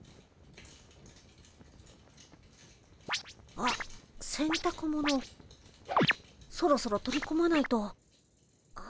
あっせんたくものそろそろ取り込まないと。